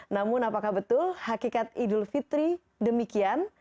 namun apakah betul hakikat idul fitri demikian